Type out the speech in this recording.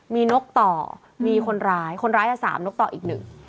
มีนกต่อมีคนร้ายคนร้ายจะสามนกต่ออีกหนึ่ง